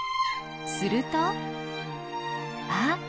するとあ！